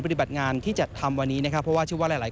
ปฏิบัติงานที่จัดทำวันนี้นะครับเพราะว่าชื่อว่าหลายหลาย